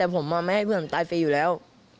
แต่ผมไม่ให้เพื่อนผมตายฟรีอยู่แล้ว